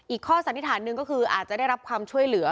ข้อสันนิษฐานหนึ่งก็คืออาจจะได้รับความช่วยเหลือ